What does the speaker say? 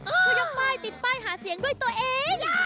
เขายกป้ายติดป้ายหาเสียงด้วยตัวเอง